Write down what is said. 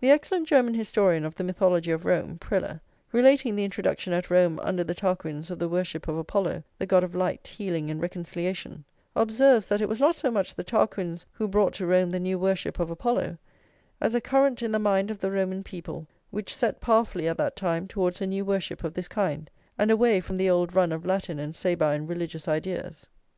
The excellent German historian of the mythology of Rome, Preller, relating the introduction at Rome under the Tarquins of the worship of Apollo, the god of light, healing, and reconciliation, observes that it was not so much the Tarquins who brought to Rome the new worship of Apollo, as a current in the mind of the Roman people which set powerfully at that time towards a new worship of this kind, and away from the old run of Latin and Sabine religious ideas.